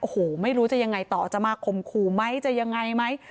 โอ้โหไม่รู้จะยังไงต่อจะมาข่มขู่ไหมจะยังไงไหม